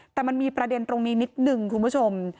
แต่มันมีประเด็นตรงนี้นิดนึงคุณผู้ชม